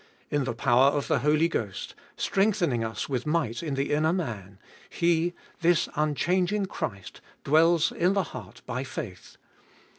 In the power of the Holy Ghost, strengthening us with might in the inner man, He, this unchanging Christ, dwells in the heart by faith.